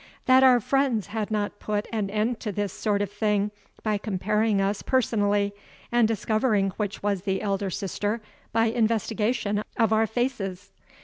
that our friends had not put an end to this sort of thing by comparing us personally, and discovering which was the elder sister by investigation of our faces?